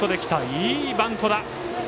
いいバントだ。